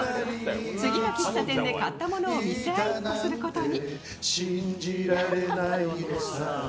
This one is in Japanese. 次の喫茶店で買ったものを見せ合いっこすることに。